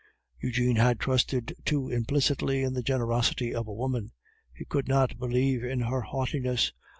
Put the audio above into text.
Eugene had trusted too implicitly to the generosity of a woman; he could not believe in her haughtiness.